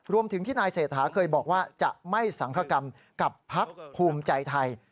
รวมถึงที่นายเศรษฐาเคยบอกว่าจะไม่สังคกรรมกับพักภูมิใจไทย